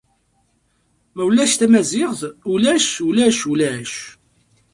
Ma ulac Tamaziɣt, ulac, ulac, ulac.